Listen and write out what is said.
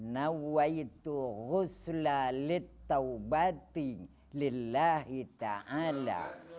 nauwaitu rusla lit taubati lillahi ta'ala